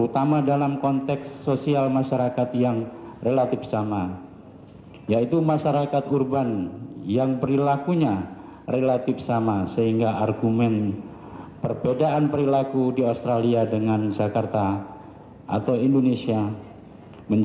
di dalam cairan lambung korban yang disebabkan oleh bahan yang korosif